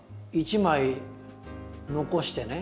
１枚残してね。